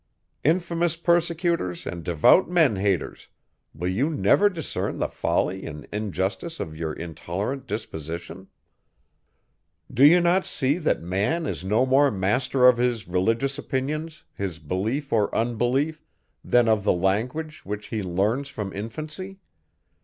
Infamous persecutors, and devout men haters! Will you never discern the folly and injustice of your intolerant disposition? Do you not see, that man is no more master of his religious opinions, his belief or unbelief, than of the language, which he learns from infancy?